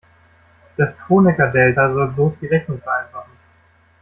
Das Kronecker-Delta soll bloß die Rechnung vereinfachen.